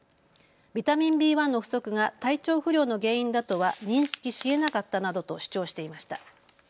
ビタミンＢ１の不足が体調不良の原因だとは認識しえなかったなどと主張していました。